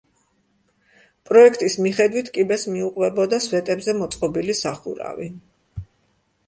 პროექტის მიხედვით კიბეს მიუყვებოდა სვეტებზე მოწყობილი სახურავი.